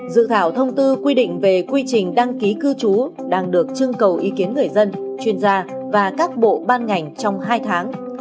dự thảo thông tư quy định về quy trình đăng ký cư trú đang được chương cầu ý kiến người dân chuyên gia và các bộ ban ngành trong hai tháng